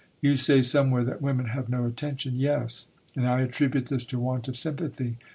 You say somewhere that women have no attention. Yes. And I attribute this to want of sympathy.